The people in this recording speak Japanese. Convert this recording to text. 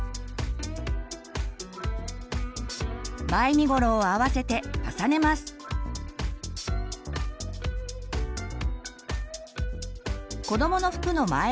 前身頃を合わせて重ねます。